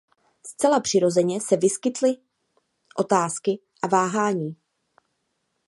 Zcela přirozeně se vyskytly otázky a váhání.